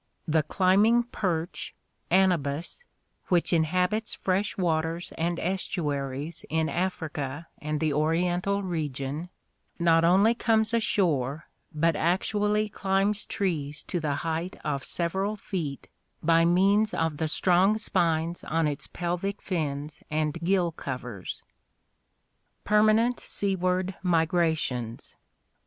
The climbing perch, Anabas, which inhabits fresh waters and estuaries in Africa and the oriental region, not only comes ashore but actually climbs trees to the height of several feet by means of the strong spines on its pelvic fins and gill covers. (See Fig. 137.) Permanent Seaward Migrations.